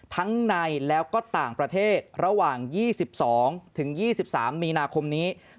ทั้งในแล้วก็ต่างประเทศระหว่าง๒๒ถึง๒๒๓มีนาคมนี้